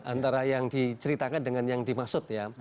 antara yang diceritakan dengan yang dimaksud ya